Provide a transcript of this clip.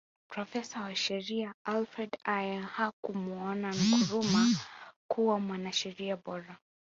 Profesa wa sheria Alfred Ayer hakumuona Nkrumah kuwa mwanasheria bora